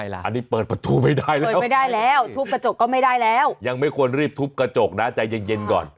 อันนี้เปิดประตูไม่ได้เลยเปิดไม่ได้แล้วทุบกระจกก็ไม่ได้แล้วยังไม่ควรรีบทุบกระจกนะใจเย็นก่อน